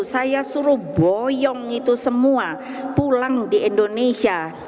saya suruh boyong itu semua pulang di indonesia